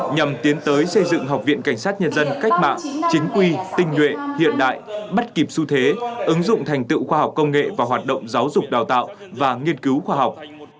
nhằm tiến tới xây dựng học viện cảnh sát nhân dân cách mạng chính quy tinh nhuệ hiện đại bắt kịp xu thế ứng dụng thành tựu khoa học công nghệ và hoạt động giáo dục đào tạo và nghiên cứu khoa học